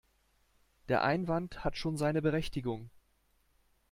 Der Einwand hat schon seine Berechtigung.